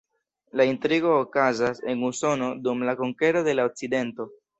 La intrigo okazas en Usono dum la konkero de la okcidento.